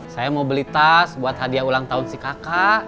saya mau beli tas buat hadiah ulang tahun si kakak